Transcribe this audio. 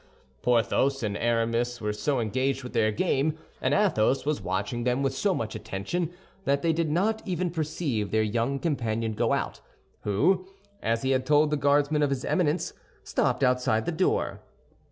Porthos and Aramis were so engaged with their game, and Athos was watching them with so much attention, that they did not even perceive their young companion go out, who, as he had told the Guardsman of his Eminence, stopped outside the door.